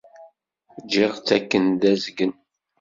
Ǧǧiɣ-tt akken d azgen.